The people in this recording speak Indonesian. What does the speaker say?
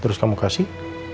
terus kamu kasih